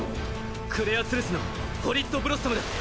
クレアツルスのホリッドブロッサムだ。